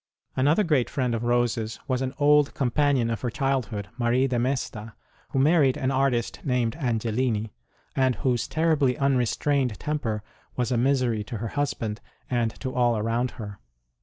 Another great friend of Rose s was an old com panion of her childhood, Marie de Mesta, who married an artist named Angellini, and whose terribly unrestrained temper was a misery to her husband and to all around her.